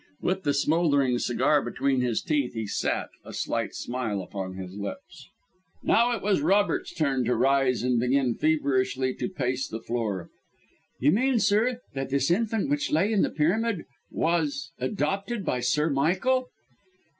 With the smouldering cigar between his teeth, he sat, a slight smile upon his lips. Now it was Robert's turn to rise and begin feverishly to pace the floor. "You mean, sir, that this infant which lay in the pyramid was adopted by Sir Michael?"